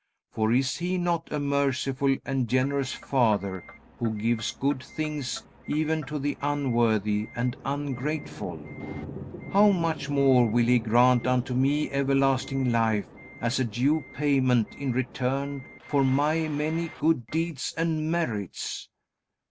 For is He not a merciful and generous Father who gives good things even to the unworthy and ungrateful? How much more will He grant unto me everlasting life as a due payment in return for my many good deeds and merits."